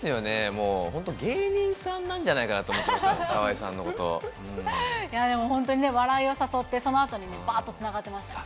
もう本当、芸人さんなんじゃないかなと思ってます、河合さんのこでも本当に、笑いを誘って、そのあとにもばーっとつながってましたね。